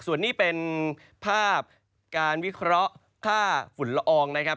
ส่วนนี้เป็นภาพการวิเคราะห์ค่าฝุ่นละอองนะครับ